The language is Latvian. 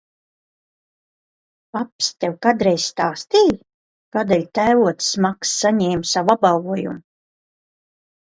Paps tev kādreiz stāstīja, kādēļ tēvocis Maks saņēma savu apbalvojumu?